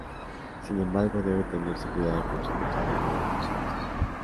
Sin embargo, debe tenerse cuidado con su contenido en fosfatos.